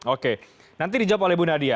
oke nanti dijawab oleh bu nadia